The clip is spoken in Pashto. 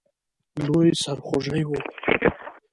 لوی سرخوږی وو.